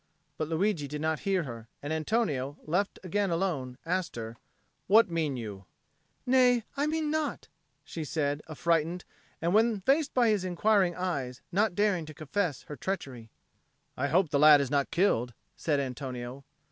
But Luigi did not hear her, and Antonio, left again alone, asked her, "What mean you?" "Nay, I mean naught," said she, affrighted, and, when faced by his inquiring eyes, not daring to confess her treachery. "I hope the lad is not killed," said Antonio.